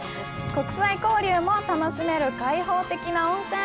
国際交流も楽しめる開放的な温泉。